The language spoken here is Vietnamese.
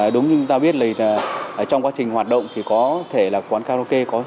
đúng như người ta biết là trong quá trình hoạt động thì có thể là quán karaoke có sửa chữa